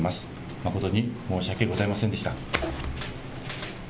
誠に申し訳ございませんでした。